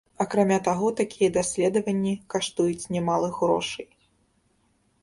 Акрамя таго, такія даследаванні каштуюць немалых грошай.